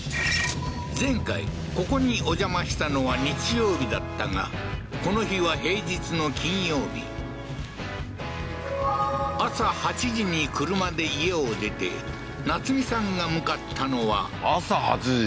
前回ここにお邪魔したのは日曜日だったがこの日は平日の金曜日朝８時に車で家を出てなつみさんが向かったのは朝８時？